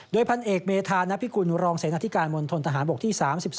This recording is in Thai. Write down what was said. ด้วยพลเอกเมธานพิกุลรองเสนอธิการมนตรฐานบกที่๓๒